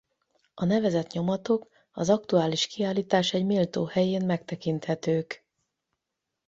A nevezett nyomatok az aktuális kiállítás egy méltó helyén megtekinthetők.